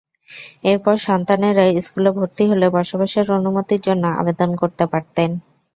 এরপর সন্তানেরা স্কুলে ভর্তি হলে বসবাসের অনুমতির জন্য আবেদন করতে পারতেন।